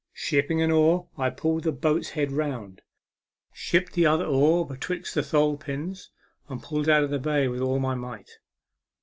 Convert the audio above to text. Shipping an oar, I pulled the boat's head round, shipped the other oar betwixt the thole pins, and pulled out of the bay with all my might.